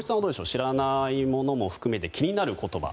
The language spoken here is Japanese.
知らないものも含めて気になる言葉？